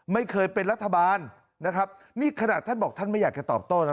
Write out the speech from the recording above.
ไม่เคยเป็นรัฐบาลนะครับนี่ขนาดท่านบอกท่านไม่อยากจะตอบโต้นะ